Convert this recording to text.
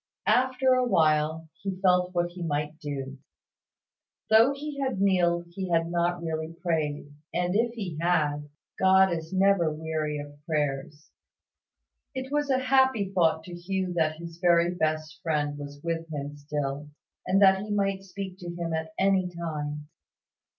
After awhile, he felt what he might do. Though he had kneeled he had not really prayed: and if he had, God is never weary of prayers. It was a happy thought to Hugh that his very best friend was with him still, and that he might speak to Him at any time.